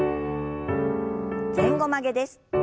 前後曲げです。